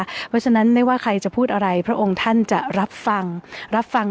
เพราะฉะนั้นไม่ว่าใครจะพูดอะไรพระองค์ท่านจะรับฟังรับฟัง